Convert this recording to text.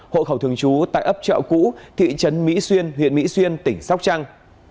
hộ khẩu thường trú tại ấp chợ cũ thị trấn mỹ xuyên huyện mỹ xuyên tỉnh sóc trăng